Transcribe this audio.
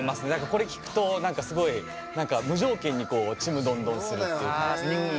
これを聴くとすごい無条件にちむどんどんするっていうか。